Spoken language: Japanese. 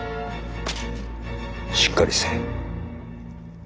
しっかりせい。